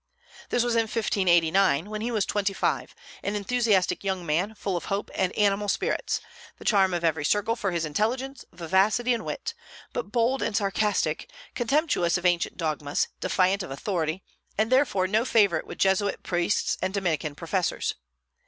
This was in 1589, when he was twenty five, an enthusiastic young man, full of hope and animal spirits, the charm of every circle for his intelligence, vivacity, and wit; but bold and sarcastic, contemptuous of ancient dogmas, defiant of authority, and therefore no favorite with Jesuit priests and Dominican professors.